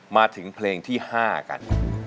มาถึงเพลงที่๕กัน